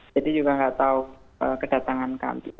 jadi juga tidak tahu kedatangan kami